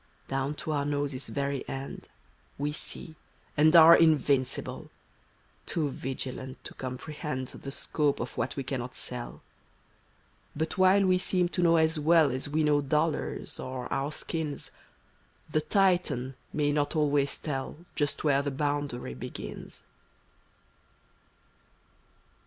11281 Down to our nose's very end We see, and are invincible, — Too vigilant to comprehend The scope of what we cannot sell; But while we seem to know as well As we know dollars, or our skins, The Titan may not always tell Just where the boimdary begins.